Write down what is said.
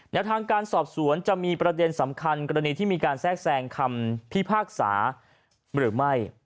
ทางการสอบสวนจะมีประเด็นสำคัญกรณีที่มีการแทรกแซงคำพิพากษาหรือไม่